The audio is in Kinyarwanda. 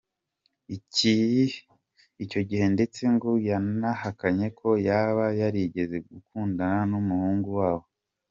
Icyo gihe ndetse ngo yanahakanye ko yaba yarigeze gukundana n’umuhungu wabo.